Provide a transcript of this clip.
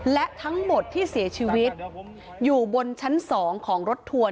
และทั้งหมดที่เสียชีวิตอยู่บนชั้น๒ของรถทัวร์